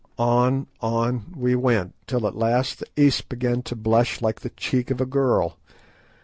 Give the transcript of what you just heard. On, on we went, till at last the east began to blush like the cheek of a girl.